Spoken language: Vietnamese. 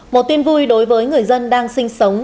một tin vui đối với người dân đang sinh sống